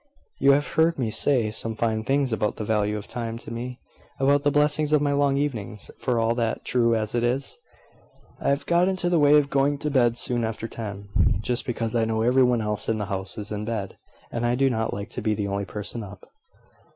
"You have heard me say some fine things about the value of time to me about the blessings of my long evenings. For all that (true as it is), I have got into the way of going to bed soon after ten, just because I know every one else in the house is in bed, and I do not like to be the only person up."